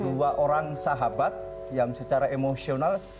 dua orang sahabat yang secara emosional